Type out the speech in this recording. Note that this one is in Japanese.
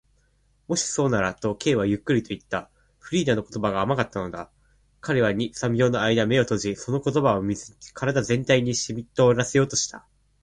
「もしそうなら」と、Ｋ はゆっくりといった。フリーダの言葉が甘かったのだ。彼は二、三秒のあいだ眼を閉じ、その言葉を身体全体にしみとおらせようとした。